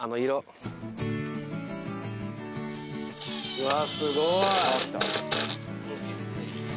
うわすごい。